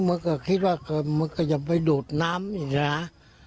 มันก็คิดว่ามันก็จะไปดูดน้ำอย่างนี้นะ